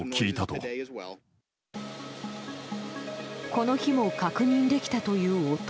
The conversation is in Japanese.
この日も確認できたという音。